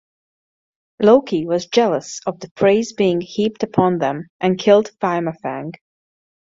Loki was jealous of the praise being heaped upon them and killed Fimafeng.